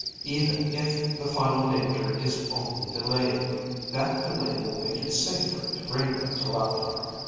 Even if the final danger is only delayed, that delay will make it safer to bring them to Leptar."